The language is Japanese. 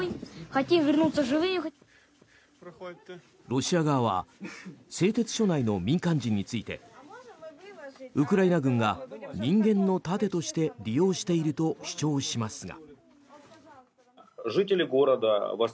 ロシア側は製鉄所内の民間人についてウクライナ軍が人間の盾として利用していると主張しますが。